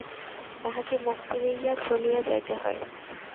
তাঁহাকে মুখ ফিরাইয়া চলিয়া যাইতে হয়।